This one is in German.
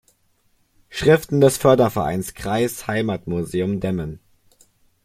Schriften des Fördervereins Kreisheimatmuseum Demmin".